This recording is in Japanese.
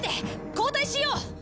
交代しよう。